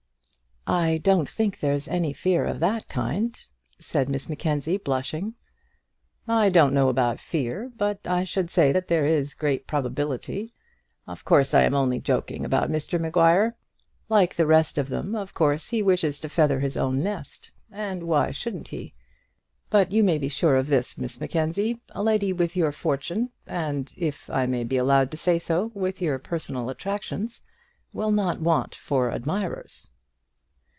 "I don't think there's any fear of that kind," said Miss Mackenzie, blushing. "I don't know about fear, but I should say that there is great probability; of course I am only joking about Mr Maguire. Like the rest of them, of course, he wishes to feather his own nest; and why shouldn't he? But you may be sure of this, Miss Mackenzie, a lady with your fortune, and, if I may be allowed to say so, with your personal attractions, will not want for admirers."